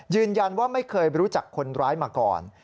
ยืนยันว่าไม่เคยรู้จักคนร้ายมาก่อน